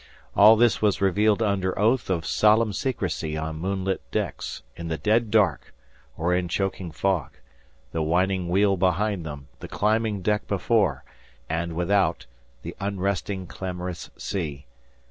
All this was revealed under oath of solemn secrecy on moonlit decks, in the dead dark, or in choking fog; the whining wheel behind them, the climbing deck before, and without, the unresting, clamorous sea.